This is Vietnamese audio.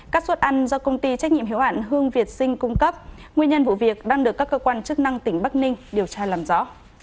các suất ăn do công ty trách nhiệm hiệu hạn hương việt sinh cung cấp nguyên nhân vụ việc đang được các cơ quan chức năng tỉnh bắc ninh điều tra làm rõ